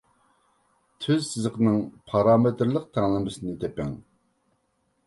تۈز سىزىقنىڭ پارامېتىرلىق تەڭلىمىسىنى تېپىڭ.